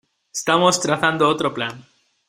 Estamos trazando otro plan.